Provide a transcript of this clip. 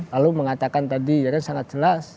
lalu mengatakan tadi ya kan sangat jelas